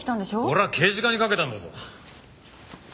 俺は刑事課にかけたんだぞ。